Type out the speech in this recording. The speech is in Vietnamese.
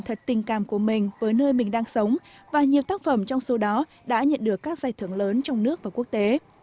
anh chụp nhiều về tình cảm của mình với nơi mình đang sống và nhiều tác phẩm trong số đó đã nhận được các giải thưởng lớn trong nước và quốc tế